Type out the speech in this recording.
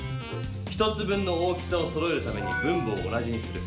１つ分の大きさをそろえるために分母を同じにする。